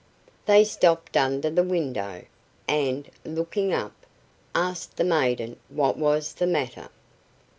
They stopped under the window, and, looking up, asked the maiden what was the matter.